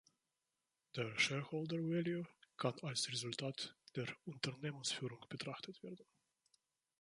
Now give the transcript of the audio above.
Der Shareholder Value kann als Resultat der Unternehmensführung betrachtet werden.